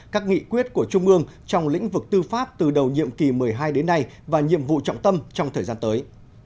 các nghị quyết của trung ương trong lĩnh vực tư pháp từ đầu nhiệm kỳ một mươi hai đến nay và nhiệm vụ trọng tâm trong thời gian tới